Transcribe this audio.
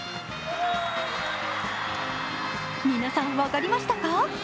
皆さん分かりましたか？